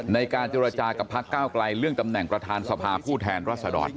ในการเจรจากับพักก้าวไกลเรื่องตำแหน่งประธานสภาผู้แทนรัศดร